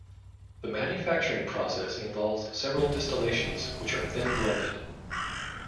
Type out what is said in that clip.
The manufacturing process involves several distillations which are then blended.